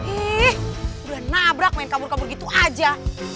ih udah nabrak main kabur kabur gitu aja